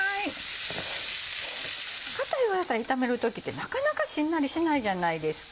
硬い野菜炒める時ってなかなかしんなりしないじゃないですか。